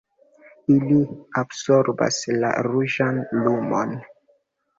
Ili absorbas la ruĝan lumon.